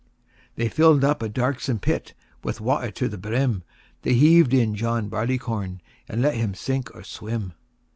IX. They filled up a darksome pit With water to the brim; They heaved in John Barleycorn, There let him sink or swim.